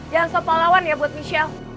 jangan sampai lawan ya buat michelle